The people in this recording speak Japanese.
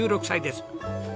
５６歳です。